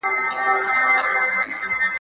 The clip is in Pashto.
o نغرى له دښمنه ډک ښه دئ، نه له دوسته خالي.